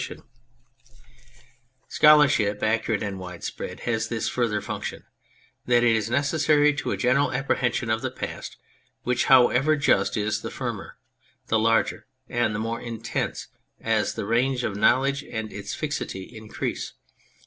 124 On the Method of History Scholarship, accurate and widespread, has this further function : that it is necessary to a general apprehension of the past, which, however just, is the firmer, the larger, and the more intense as the range of knowledge and its fixity increase.